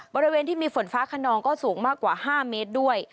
บริเวณที่มีฝนฟ้าขนองก็สูงมากกว่า๕เมตรด้วย